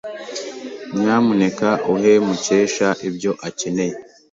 Nyamuneka uhe Mukesha ibyo akeneye.